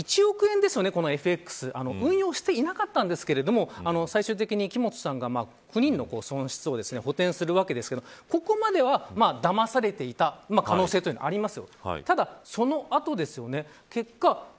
さらに結局１億円ですよね、ＦＸ運用していなかったんですけれども最終的に木本さんが９人の損失を補填するわけですがここまでは、だまされていた可能性というのはあります。